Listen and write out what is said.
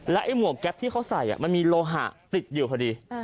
ไอ้หมวกแก๊ปที่เขาใส่มันมีโลหะติดอยู่พอดี